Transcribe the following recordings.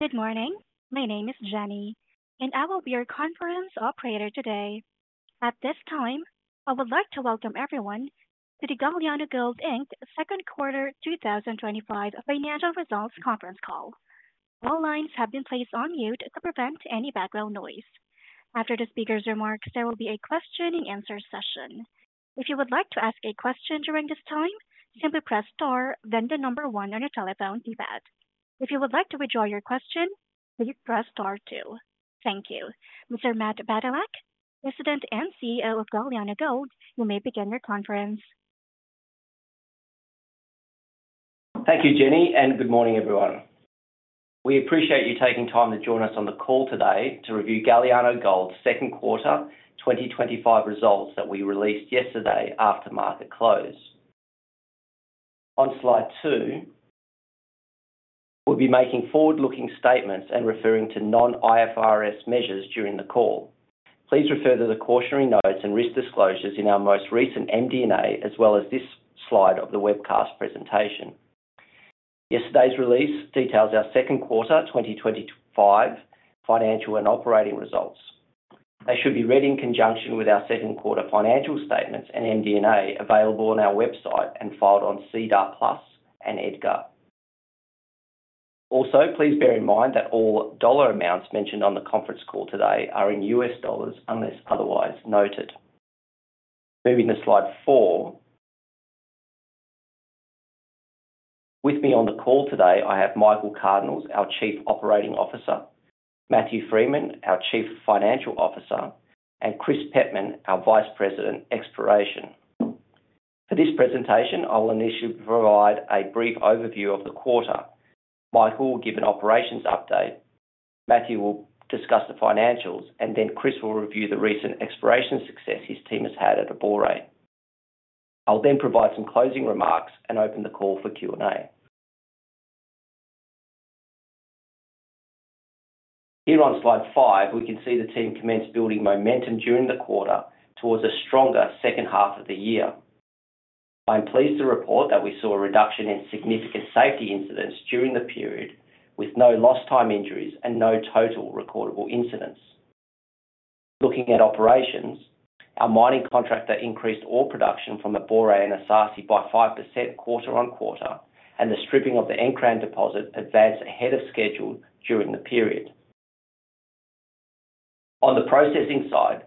Good morning. My name is Jenny, and I will be your conference operator today. At this time, I would like to welcome everyone to the Galiano Gold Inc. Second Quarter 2025 Financial Results Conference Call. All lines have been placed on mute to prevent any background noise. After the speaker's remarks, there will be a question-and-answer session. If you would like to ask a question during this time, simply press star, then the number one on your telephone keypad. If you would like to withdraw your question, please press star two. Thank you. Mr. Matt Badylak, President and CEO of Galiano Gold, you may begin your conference. Thank you, Jenny, and good morning, everyone. We appreciate you taking time to join us on the call today to review Galiano Gold's second quarter 2025 results that we released yesterday after market close. On slide two, we'll be making forward-looking statements and referring to non-IFRS measures during the call. Please refer to the cautionary notes and risk disclosures in our most recent MD&A, as well as this slide of the webcast presentation. Yesterday's release details our second quarter 2025 financial and operating results. They should be read in conjunction with our second quarter financial statements, and MD&A available on our website and filed on SEDAR+ and EDGAR. Also, please bear in mind that all dollar amounts mentioned on the conference call today are in US dollars, unless otherwise noted. Moving to slide four, with me on the call today, I have Michael Cardinaels, our Chief Operating Officer, Matthew Freeman, our Chief Financial Officer, and Chris Pettman, our Vice President, Exploration. For this presentation, I will initially provide a brief overview of the quarter. Michael will give an operations update. Matthew will discuss the financials, and then Chris will review the recent exploration success his team has had at Abore. I'll then provide some closing remarks and open the call for Q&A. Here on slide five, we can see the team commenced building momentum during the quarter towards a stronger second half of the year. I'm pleased to report that we saw a reduction in significant safety incidents during the period, with no lost time injuries and no total recordable incidents. Looking at operations, our mining contractor increased ore production from Abore and Esaase by 5% quarter-on-quarter, and the stripping of the Nkran deposit advanced ahead of schedule during the period. On the processing side,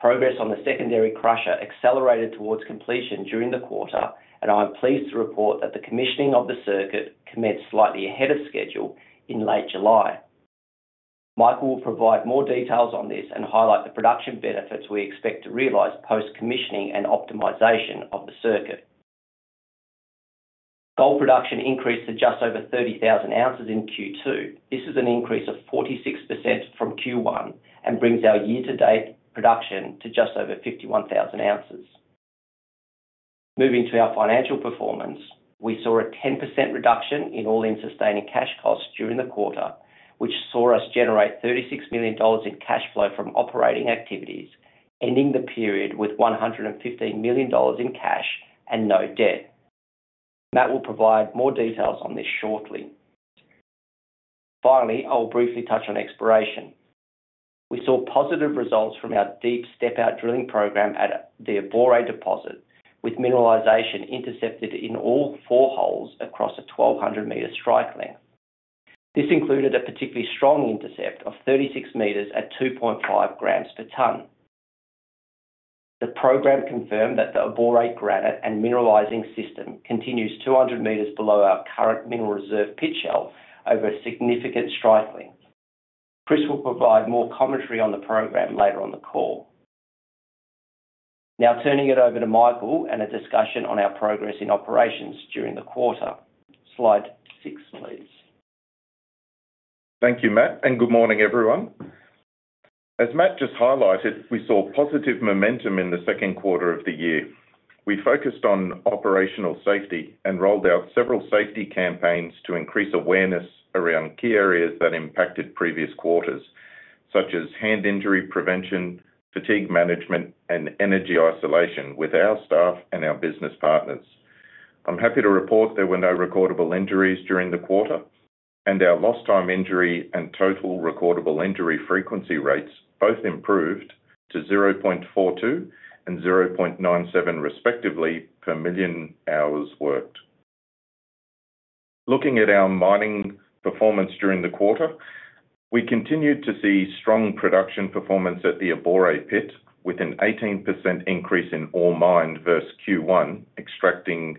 progress on the secondary crusher accelerated towards completion during the quarter, and I'm pleased to report that the commissioning of the circuit commenced slightly ahead of schedule in late July. Michael will provide more details on this, and highlight the production benefits we expect to realize post-commissioning and optimization of the circuit. Gold production increased to just over 30,000 oz in Q2. This is an increase of 46% from Q1, and brings our year-to-date production to just over 51,000 oz. Moving to our financial performance, we saw a 10% reduction in all-in sustaining costs during the quarter, which saw us generate $36 million in cash flow from operating activities, ending the period with $115 million in cash and no debt. Matt will provide more details on this shortly. Finally, I will briefly touch on exploration. We saw positive results from our deep step-out drilling program at the Abore deposit, with mineralization intercepted in all four holes across a 1,200 m strike length. This included a particularly strong intercept of 36 m at 2.5 g per t. The program confirmed that the Abore granite and mineralizing system continues 200 m below our current mineral reserve pit shell over a significant strike length. Chris will provide more commentary on the program later on the call. Now turning it over to Michael, and a discussion on our progress in operations during the quarter. Slide six, please. Thank you, Matt, and good morning, everyone. As Matt just highlighted, we saw positive momentum in the second quarter of the year. We focused on operational safety and rolled out several safety campaigns to increase awareness around key areas that impacted previous quarters, such as hand injury prevention, fatigue management, and energy isolation with our staff and our business partners. I'm happy to report there were no recordable injuries during the quarter, and our lost time injury and total recordable injury frequency rates both improved to 0.42 and 0.97, respectively per million hours worked. Looking at our mining performance during the quarter, we continued to see strong production performance at the Abore pit, with an 18% increase in ore mined versus Q1, extracting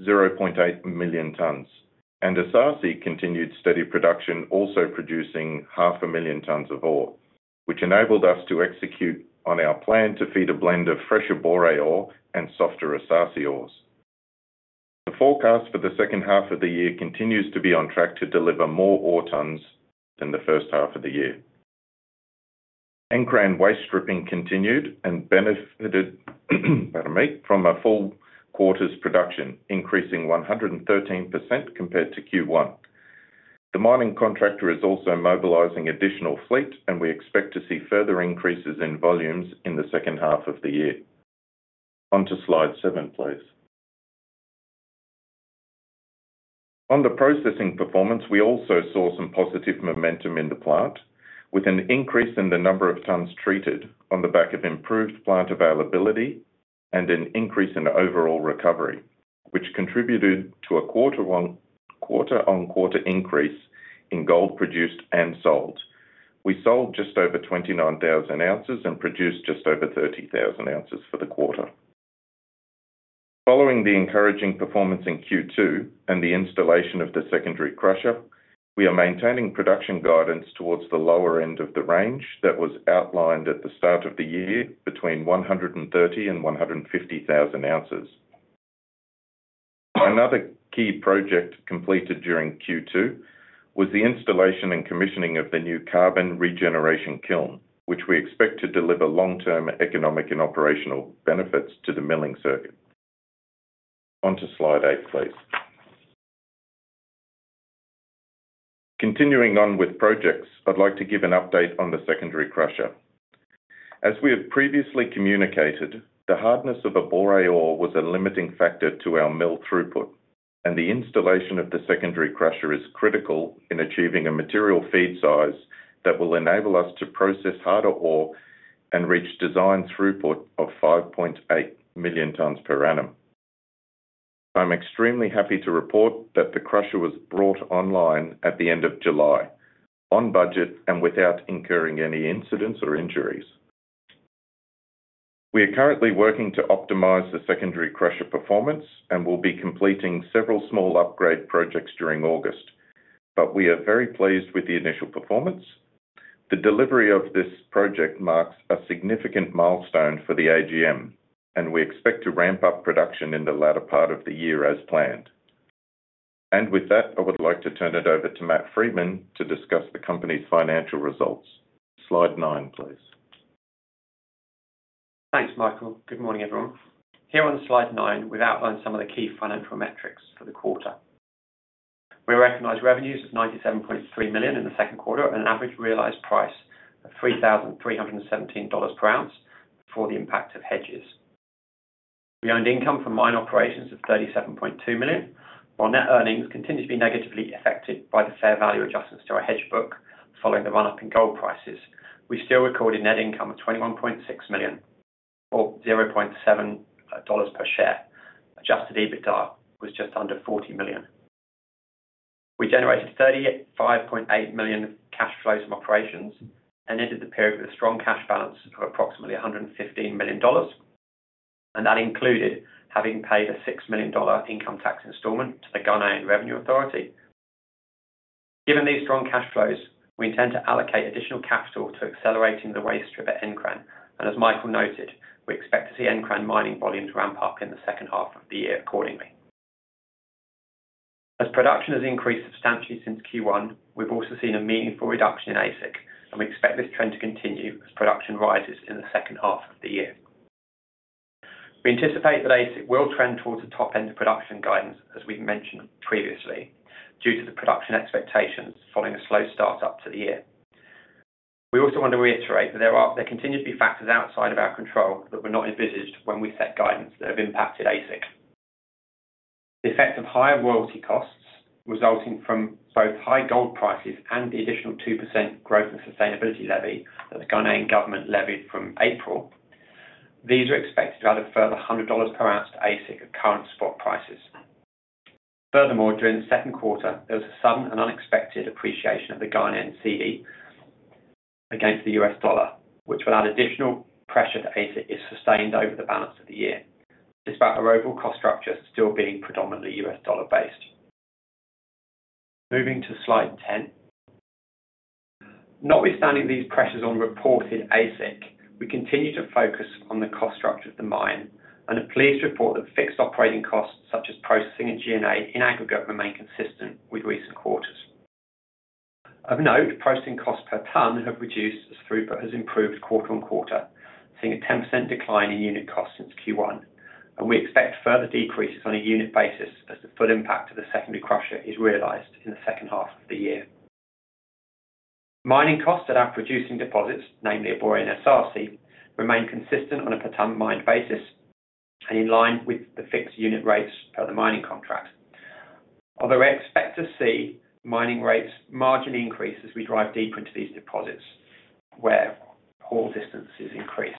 0.8 million t. Esaase continued steady production, also producing 500,000 t of ore, which enabled us to execute on our plan to feed a blend of fresh Abore ore and softer Esaase ores. The forecast for the second half of the year continues to be on track to deliver more ore tons than the first half of the year. Nkran waste stripping continued and benefited from a full quarter's production, increasing 113% compared to Q1. The mining contractor is also mobilizing additional fleet, and we expect to see further increases in volumes in the second half of the year. On to slide seven, please. On the processing performance, we also saw some positive momentum in the plant, with an increase in the number of tons treated on the back of improved plant availability and an increase in overall recovery, which contributed to a quarter-on-quarter increase in gold produced and sold. We sold just over 29,000 oz and produced just over 30,000 oz for the quarter. Following the encouraging performance in Q2 and the installation of the secondary crusher, we are maintaining production guidance towards the lower end of the range that was outlined at the start of the year, between 130,000 oz and 150,000 oz. Another key project completed during Q2 was the installation and commissioning of the new carbon regeneration kiln, which we expect to deliver long-term economic and operational benefits to the milling circuit. On to slide eight, please. Continuing on with projects, I'd like to give an update on the secondary crusher. As we have previously communicated, the hardness of Abore ore was a limiting factor to our mill throughput, and the installation of the secondary crusher is critical in achieving a material feed size that will enable us to process harder ore and reach design throughput of 5.8 million t per annum. I'm extremely happy to report that the crusher was brought online at the end of July, on budget and without incurring any incidents or injuries. We are currently working to optimize the secondary crusher performance and will be completing several small upgrade projects during August, but we are very pleased with the initial performance. The delivery of this project marks a significant milestone for the AGM, and we expect to ramp up production in the latter part of the year as planned. With that, I would like to turn it over to Matthew Freeman to discuss the company's financial results. Slide nine, please. Thanks, Michael. Good morning, everyone. Here on slide nine, we've outlined some of the key financial metrics for the quarter. We recognize revenues of $97.3 million in the second quarter, and an average realized price of $3,317 per ounce for the impact of hedges. We earned income from mine operations of $37.2 million, while net earnings continue to be negatively affected by the fair value adjustments to our hedge book following the run-up in gold prices. We still record a net income of $21.6 million or $0.7 per share. Adjusted EBITDA was just under $40 million. We generated $35.8 million cash flows from operations and ended the period with a strong cash balance of approximately $115 million, and that included having paid a $6 million income tax installment to the Ghanaian Revenue Authority. Given these strong cash flows, we intend to allocate additional capital to accelerating the waste strip at Nkran, and as Michael noted, we expect to see Nkran mining volumes ramp up in the second half of the year accordingly. As production has increased substantially since Q1, we've also seen a meaningful reduction in AISC, and we expect this trend to continue as production rises in the second half of the year. We anticipate that AISC will trend towards the top end of production guidance, as we've mentioned previously, due to the production expectations following a slow start up to the year. We also want to reiterate that there continue to be factors outside of our control that were not envisaged when we set guidance that have impacted AISC. The effect of higher royalty costs resulting from both high gold prices and the additional 2% growth of sustainability levy that the Ghanaian government levied from April, these are expected to add a further $100 per oz to AISC at current spot prices. Furthermore, during the second quarter, there was a sudden and unexpected appreciation of the Ghanaian Cedi against the U.S. dollar, which will add additional pressure to AISC if sustained over the balance of the year, despite our overall cost structure still being predominantly U.S. dollar-based. Moving to slide 10. Notwithstanding these pressures on reported AISC, we continue to focus on the cost structure of the mine, and I'm pleased to report that fixed operating costs, such as processing and G&A in aggregate, remain consistent with recent quarters. Of note, processing costs per ton have reduced as throughput has improved quarter-on-quarter, seeing a 10% decline in unit costs since Q1, and we expect further decreases on a unit basis as the full impact of the secondary crusher is realized in the second half of the year. Mining costs at our producing deposits, namely Abore and Esaase, remain consistent on a per ton mined basis and in line with the fixed unit rates per the mining contract, although we expect to see mining rates marginally increase as we drive deeper into these deposits where haul distances increase.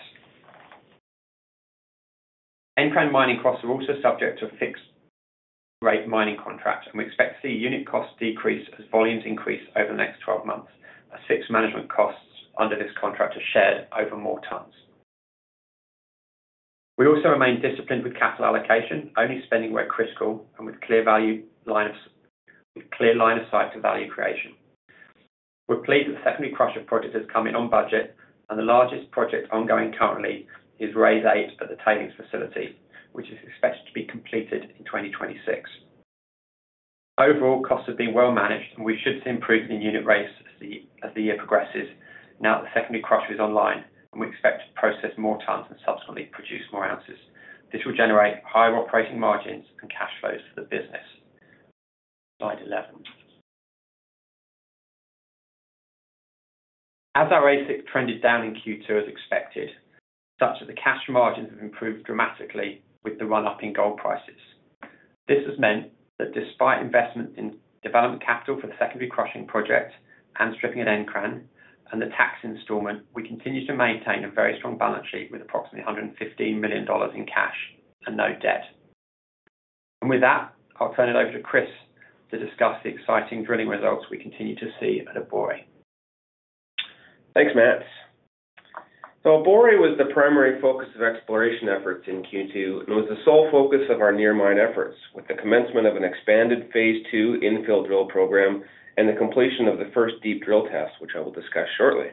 Nkran mining costs are also subject to a fixed rate mining contract, and we expect to see unit costs decrease as volumes increase over the next 12 months, as fixed management costs under this contract are shared over more tons. We also remain disciplined with capital allocation, only spending where critical and with a clear line of sight to value creation. We're pleased that the secondary crusher project has come in on budget, and the largest project ongoing currently is raise eight at the tailings facility, which is expected to be completed in 2026. Overall, costs have been well managed, and we should see improvement in unit rates as the year progresses now that the secondary crusher is online, and we expect to process more tons and subsequently produce more ounces. This will generate higher operating margins and cash flows for the business. Slide 11, as our AISC trended down in Q2 as expected, such that the cash margins have improved dramatically with the run-up in gold prices, this has meant that despite investment in development capital for the secondary crusher project and stripping at Nkran and the tax installment, we continue to maintain a very strong balance sheet with approximately $115 million in cash and no debt. With that, I'll turn it over to Chris to discuss the exciting drilling results we continue to see at Abore. Thanks, Matt. Abore was the primary focus of exploration efforts in Q2, and it was the sole focus of our near mine efforts, with the commencement of an expanded phase II infill drilling program and the completion of the first deep drill test, which I will discuss shortly.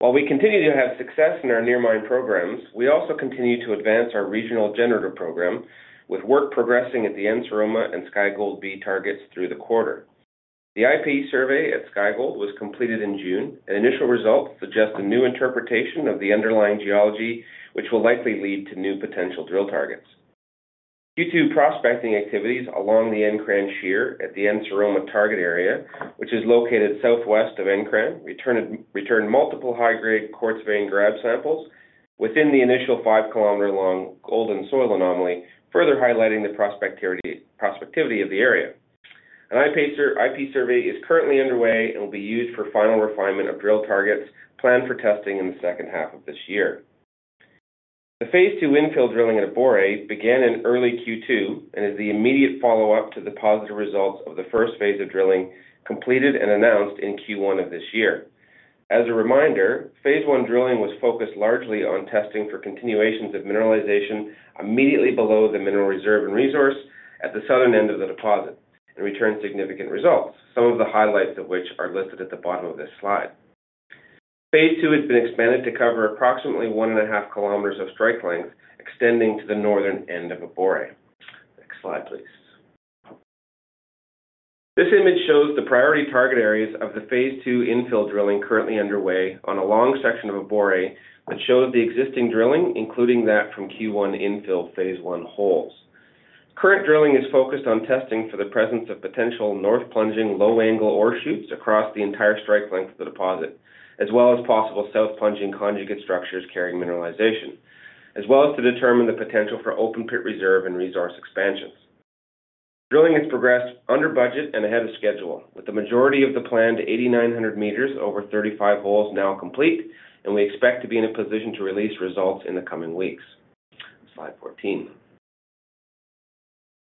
While we continue to have success in our near mine programs, we also continue to advance our regional generator program, with work progressing at the and Sky Gold B targets through the quarter. The IP survey at Sky Gold was completed in June, and initial results suggest a new interpretation of the underlying geology, which will likely lead to new potential drill targets. Due to prospecting activities along the Nkran shear at the target area, which is located southwest of Nkran, we returned multiple high-grade quartz vein grab samples within the initial 5 km long gold-in-soil anomaly, further highlighting the prospectivity of the area. An IP survey is currently underway, and will be used for final refinement of drill targets planned for testing in the second half of this year. The phase II infill drilling at Abore began in early Q2, and is the immediate follow-up to the positive results of the first phase of drilling completed and announced in Q1 of this year. As a reminder, phase I drilling was focused largely on testing for continuations of mineralization immediately below the mineral reserve and resource at the southern end of the deposit and returned significant results, some of the highlights of which are listed at the bottom of this slide. Phase II has been expanded to cover approximately 1.5 km of strike length, extending to the northern end of Abore. Next slide, please. This image shows the priority target areas of the phase II infill drilling currently underway on a long section of Abore, that shows the existing drilling, including that from Q1 infill phase I holes. Current drilling is focused on testing for the presence of potential north-plunging low-angle ore chutes across the entire strike length of the deposit, as well as possible south-plunging conjugate structures carrying mineralization, as well as to determine the potential for open-pit reserve and resource expansions. Drilling has progressed under budget and ahead of schedule, with the majority of the planned 8,900 m over 35 holes now complete, and we expect to be in a position to release results in the coming weeks. Slide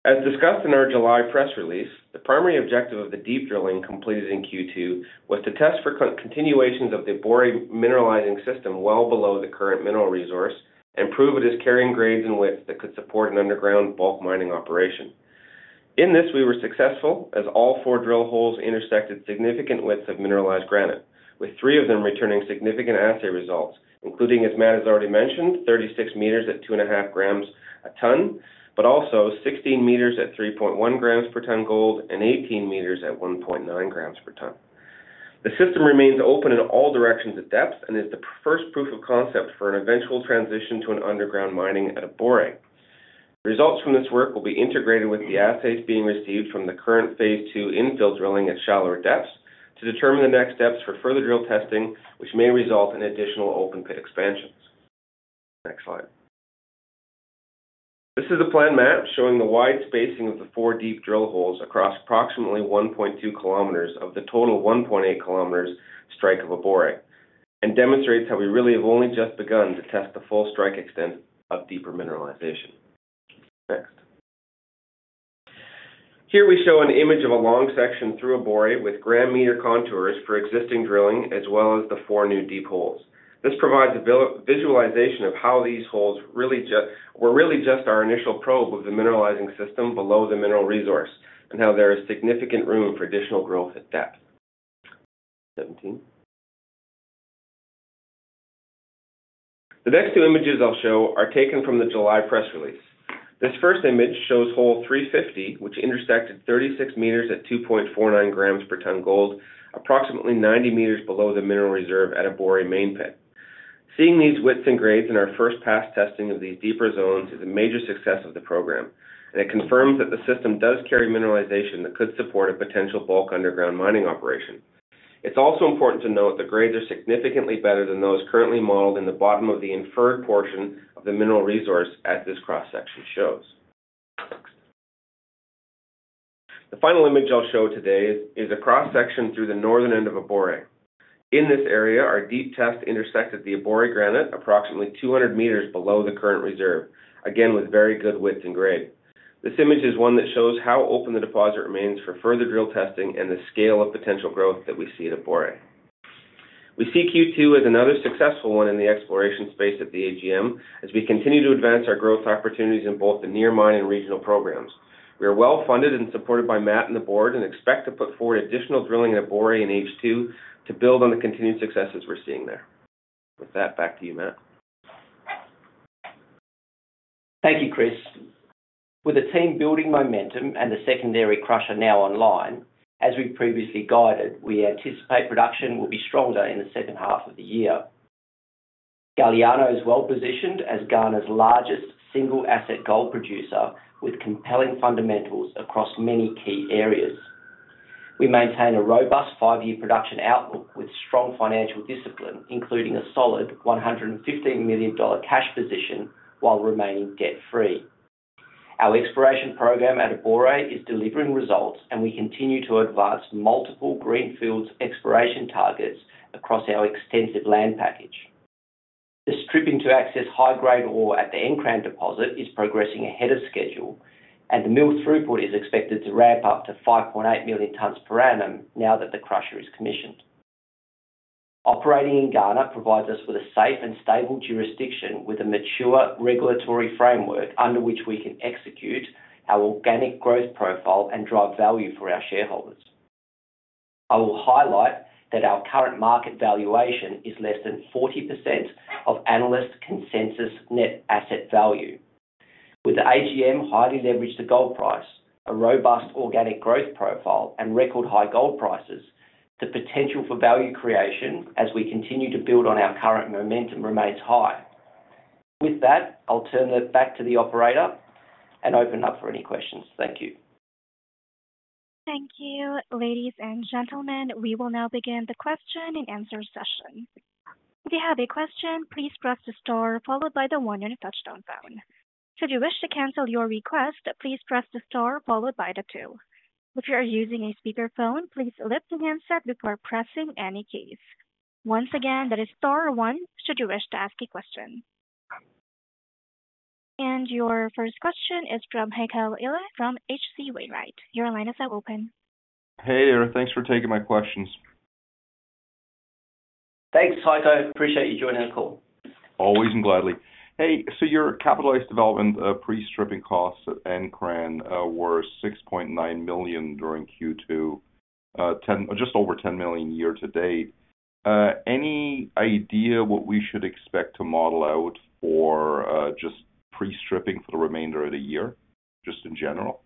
14. As discussed in our July press release, the primary objective of the deep drilling completed in Q2 was to test for continuations of the Abore mineralizing system well below the current mineral resource, and prove it is carrying grades and widths that could support an underground bulk mining operation. In this, we were successful, as all four drill holes intersected significant widths of mineralized granite, with three of them returning significant assay results, including, as Matt has already mentioned, 36 m at 2.5 g a t, but also 16 m at 3.1 g per t gold and 18 m at 1.9 g per t. The system remains open in all directions at depth, and is the first proof of concept for an eventual transition to underground mining at Abore. Results from this work will be integrated with the assays being received from the current phase II infill drilling at shallower depths, to determine the next steps for further drill testing, which may result in additional open-pit expansions. Next slide. This is a plan map showing the wide spacing of the four deep drill holes across approximately 1.2 km of the total 1.8 km strike of Abore, and demonstrates how we really have only just begun to test the full strike extent of deeper mineralization. Next, here we show an image of a long section through Abore with gram-meter contours for existing drilling, as well as the four new deep holes. This provides a visualization of how these holes were really just our initial probe of the mineralizing system below the mineral resource, and how there is significant room for additional growth at depth. 17, the next two images I'll show are taken from the July press release. This first image shows hole 350, which intersected 36 meters at 2.49 g per t gold, approximately 90 m below the mineral reserve at Abore main pit. Seeing these widths and grades in our first pass testing of these deeper zones is a major success of the program, and it confirms that the system does carry mineralization that could support a potential bulk underground mining operation. It's also important to note that grades are significantly better than those currently modeled in the bottom of the inferred portion of the mineral resource, as this cross-section shows. The final image I'll show today is a cross-section through the northern end of Abore. In this area, our deep test intersected the Abore granite approximately 200 m below the current reserve, again with very good widths and grade. This image is one that shows how open the deposit remains for further drill testing, and the scale of potential growth that we see at Abore. We see Q2 as another successful one in the exploration space at the AGM, as we continue to advance our growth opportunities in both the near mine and regional programs. We are well funded and supported by Matt and the board, and expect to put forward additional drilling at Abore in H2 to build on the continued successes we're seeing there. With that, back to you, Matt. Thank you, Chris. With the team building momentum and the secondary crusher now online, as we've previously guided, we anticipate production will be stronger in the second half of the year. Galiano is well-positioned as Ghana's largest single-asset gold producer, with compelling fundamentals across many key areas. We maintain a robust five-year production outlook with strong financial discipline, including a solid $115 million cash position, while remaining debt-free. Our exploration program at Abore is delivering results, and we continue to advance multiple greenfields exploration targets across our extensive land package. The stripping to access high-grade ore at the Nkran deposit is progressing ahead of schedule, and the mill throughput is expected to ramp up to 5.8 million t per annum now that the crusher is commissioned. Operating in Ghana provides us with a safe and stable jurisdiction, with a mature regulatory framework under which we can execute our organic growth profile and drive value for our shareholders. I will highlight that our current market valuation is less than 40% of analysts' consensus net asset value. With the AGM highly leveraged to gold price, a robust organic growth profile, and record high gold prices, the potential for value creation as we continue to build on our current momentum remains high. With that, I'll turn it back to the operator and open it up for any questions. Thank you. Thank you, ladies and gentlemen. We will now begin the question-and-answer session. If you have a question, please press the star followed by the one on your touch-tone phone. Should you wish to cancel your request, please press the star followed by the two. If you are using a speaker phone, please lift your handset before pressing any keys. Once again, that is star one, should you wish to ask a question. Your first question is from Heiko Ihle from H.C. Wainwright. Your line is now open. Hey, all. Thanks for taking my questions. Thanks, Heiko. Appreciate you joining the call. Always and gladly. Hey. Your capitalized development pre-stripping costs at Nkran were $6.9 million during Q2, just over $10 million year to date. Any idea what we should expect to model out for just pre-stripping for the remainder of the year, just in general?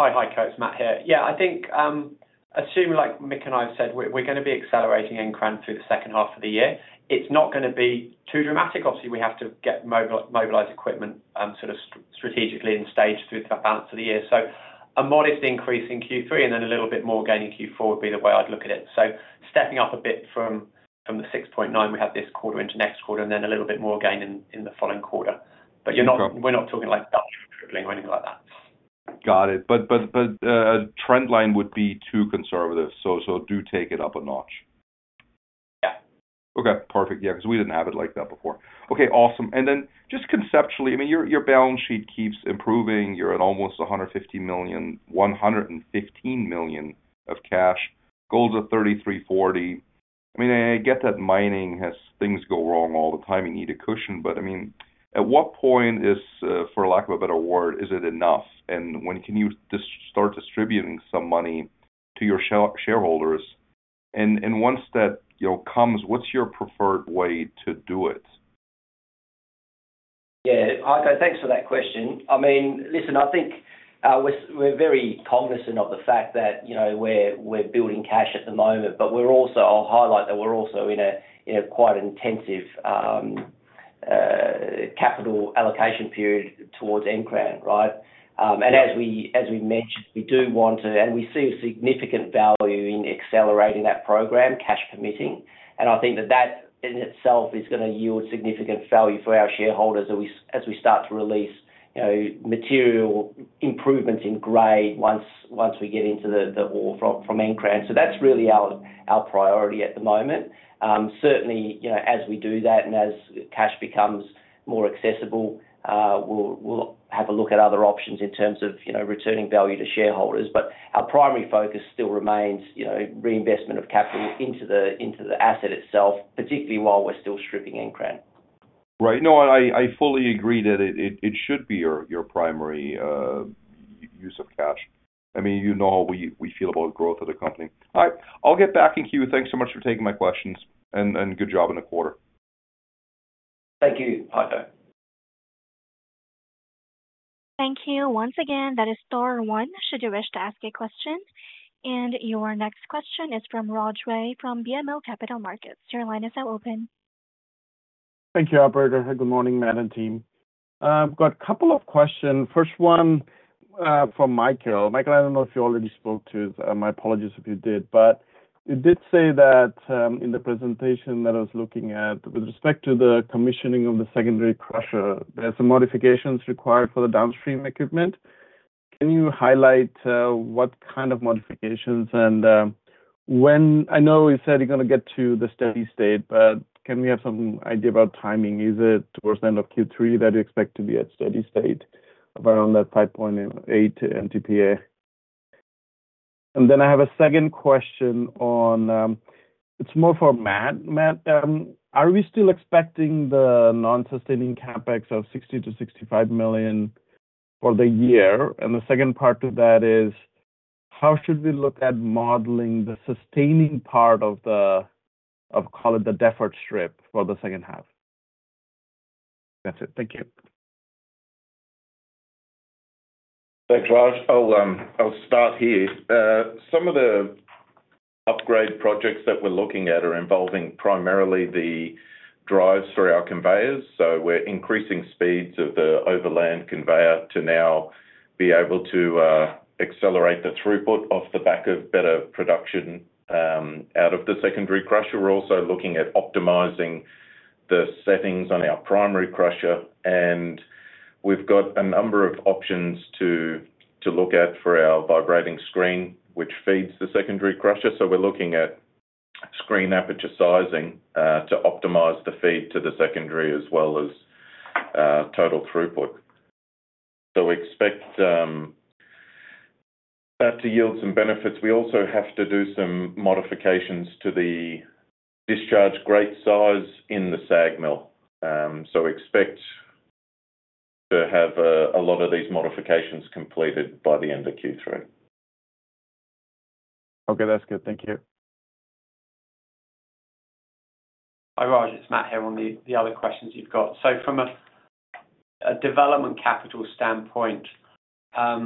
Hi, Heiko. It's Matt here. Yeah, I think like Mike and I have said, we're going to be accelerating Nkran through the second half of the year. It's not going to be too dramatic. Obviously, we have to get mobilized equipment sort of strategically and stage through the balance of the year. A modest increase in Q3 and then a little bit more gain in Q4 would be the way I'd look at it. Stepping up a bit from the 6.9 we had this quarter into next quarter, and then a little bit more gain in the following quarter. We're not talking like double, tripling or anything like that. Got it. A trend line would be too conservative, so do take it up a notch. Yeah. Okay, perfect. Yeah, because we didn't have it like that before. Okay, awesome. Just conceptually, I mean, your balance sheet keeps improving. You're at almost $115 million of cash. Gold's at $3,340. I mean, I get that mining has things go wrong all the time. You need a cushion, but at what point is, for lack of a better word, is it enough? When can you start distributing some money to your shareholders? Once that comes, what's your preferred way to do it? Yeah, Heiko, thanks for that question. Listen, I think we're very cognizant of the fact that we're building cash at the moment, but I'll highlight that we're also in a quite intensive capital allocation period towards Nkran, right? As we mentioned, we do want to, and we see significant value in accelerating that program, cash permitting. I think that that in itself is going to yield significant value for our shareholders as we start to release material improvements in grade once we get into the ore from Nkran. That's really our priority at the moment. Certainly, as we do that and as cash becomes more accessible, we'll have a look at other options in terms of returning value to shareholders. Our primary focus still remains reinvestment of capital into the asset itself, particularly while we're still stripping Nkran. Right. No, I fully agree that it should be your primary use of cash. I mean, you know how we feel about growth of the company. I'll get back in queue. Thanks so much for taking my questions, and good job in the quarter. Thank you, Heiko. Thank you. Once again, that is star one should you wish to ask a question. Your next question is from Raj Ray from BMO Capital Markets. Your line is now open. Thank you, operator. Good morning, Matt and team. I've got a couple of questions. First one for Michael. Michael, I don't know if you already spoke to this. My apologies if you did, but you did say that in the presentation that I was looking at, with respect to the commissioning of the secondary crusher, there are some modifications required for the downstream equipment. Can you highlight what kind of modifications? I know you said you're going to get to the steady state, but can we have some idea about timing? Is it towards the end of Q3 that you expect to be at steady state around that 5.8 million TPA? I have a second question. It's more for Matt. Matt, are we still expecting the non-sustaining CapEx of $60 to $65 million for the year? The second part of that is, how should we look at modeling the sustaining part of the, call it the deferred strip for the second half? That's it. Thank you. Thanks, Raj. I'll start here. Some of the upgrade projects that we're looking at are involving primarily the drives for our conveyors. We're increasing speeds of the overland conveyor to now be able to accelerate the throughput off the back of better production out of the secondary crusher. We're also looking at optimizing the settings on our primary crusher, and we've got a number of options to look at for our vibrating screen, which feeds the secondary crusher. We're looking at screen aperture sizing to optimize the feed to the secondary as well as total throughput. We expect that to yield some benefits. We also have to do some modifications to the discharge grate size in the SAG mill. We expect to have a lot of these modifications completed by the end of Q3. Okay, that's good. Thank you. Hi, Raj. It's Matt here. On the other questions you've got, so from a development capital standpoint, I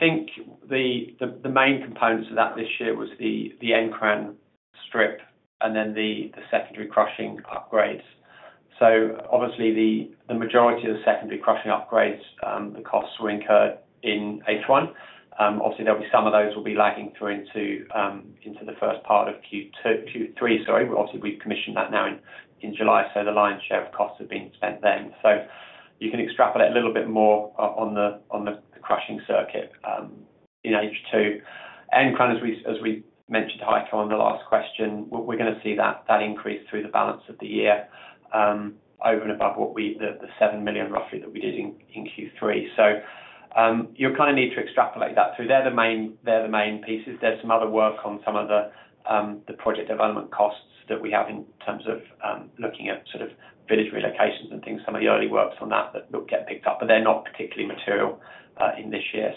think the main components of that this year were the Nkran strip and then the secondary crushing upgrades. Obviously the majority of the secondary crusher upgrades, the costs were incurred in H1. Obviiously, there will be some of those that will be lagging through into the first part of Q3. We've commissioned that now in July, so the lion's share of costs have been spent then. You can extrapolate a little bit more on the crushing circuit in H2. As we mentioned Heiko on the last question, we're going to see that increase through the balance of the year, over and above the $7 million roughly that we did in Q3. You'll kind of need to extrapolate that through. They're the main pieces. There's some other work on some of the project development costs that we have in terms of looking at sort of village relocations and things, some of the early works on that that do get picked up, but they're not particularly material in this year.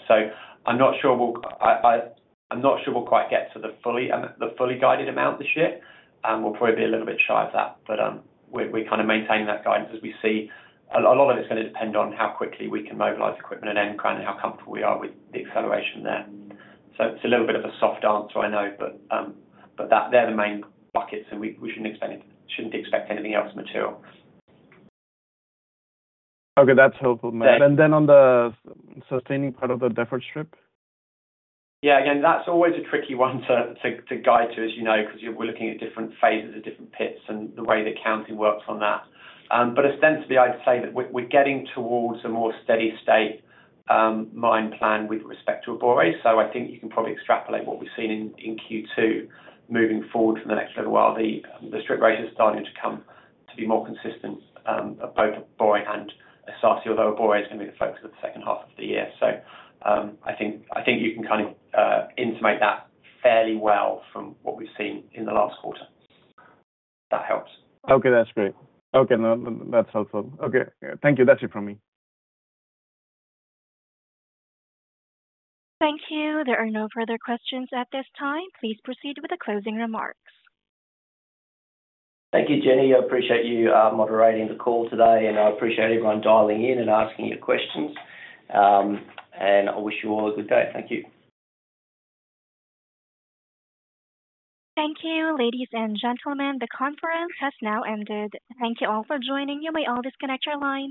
I'm not sure we'll quite get to the fully guided amount this year. We'll probably be a little bit shy of that, but we're kind of maintaining that guidance as we see a lot of it's going to depend on how quickly we can mobilize equipment at Nkran and how comfortable we are with the acceleration there. It's a little bit of a soft answer I know, but they're the main buckets and we shouldn't expect anything else material. Okay, that's helpful, Matt. On the sustaining part of the deferred strip? Yeah, again, that's always a tricky one to guide to as you know, because we're looking at different phases of different pits and the way the counting works on that. Ostensibly, I'd say that we're getting towards a more steady state mine plan with respect to Abore. I think you can probably extrapolate what we've seen in Q2 moving forward from the next level, while the strip rate is starting to be more consistent at both Abore and Esaase, although Abore is going to be the focus of the second half of the year. I think you can kind of intimate that fairly well from what we've seen in the last quarter. That helps. Okay, that's great. Okay, no, that's helpful. Okay, thank you. That's it from me. Thank you. There are no further questions at this time. Please proceed with the closing remarks. Thank you, Jenny. I appreciate you moderating the call today, and I appreciate everyone dialing in and asking your questions. I wish you all a good day. Thank you. Thank you, ladies and gentlemen. The conference has now ended. Thank you all for joining. You may all disconnect your lines.